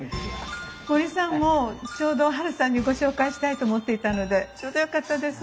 森さんもちょうどハルさんにご紹介したいと思っていたのでちょうどよかったです。